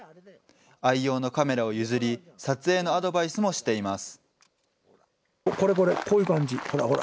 愛用のカメラを譲り、撮影のアドバイスもしています。